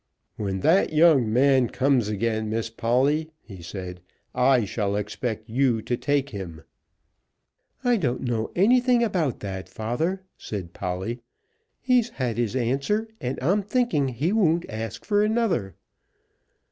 "When that young man comes again, Miss Polly," he said, "I shall expect you to take him." "I don't know anything about that, father," said Polly. "He's had his answer, and I'm thinking he won't ask for another."